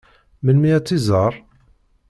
Melmi ad t-iẓeṛ?